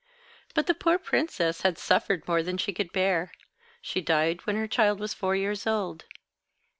"But the poor princess had suffered more than she could bear. She died when her child was four years old.